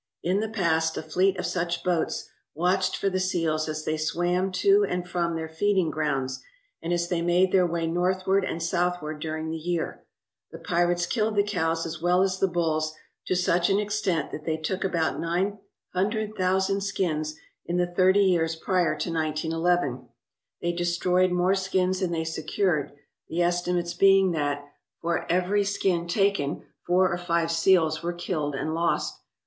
In the past, a fleet of such boats watched for the seals as they swam to and from their feeding grounds and as they made their way northward and southward during the year. The pirates killed the cows as well as the bulls to sucty an extent that they took about nine hundred thousand skins in the thirty years prior to 1911. They destroyed more skins than they secured, the estimates being that, for every 235 ALASKA OUR NORTHERN WONDERLAND skin taken, four or five seals were killed and lost.